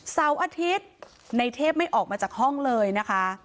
เสาร์อาทิตย์ในเทพไม่ออกมาจากห้องเลยนะคะ